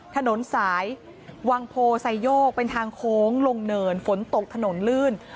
ถนนสายวังโพไซโยกเป็นทางโค้งลงเนินฝนตกถนนลื่น